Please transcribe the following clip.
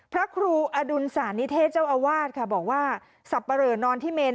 พระครูอดุลสานิเทศเจ้าอาวาสค่ะบอกว่าสับปะเหลอนอนที่เมน